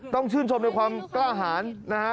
ต้องชื่นชมในความกล้าหารนะฮะ